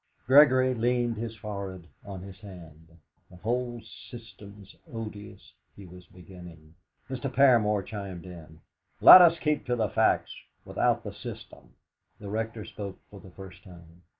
Gregory leaned his forehead on his hand. "The whole system is odious " he was beginning. Mr. Paramor chimed in. "Let us keep to the facts; without the system." The Rector spoke for the first time.